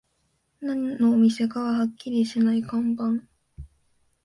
何のお店かはっきりしない看板